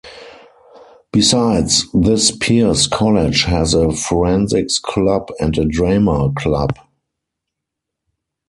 Besides this Pierce College has a Forensics Club and a Drama Club.